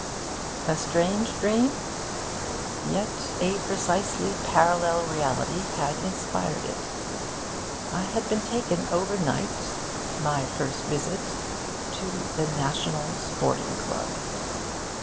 A strange dream? Yet a precisely parallel reality had inspired it. I had been taken over night my first visit to the National Sporting Club.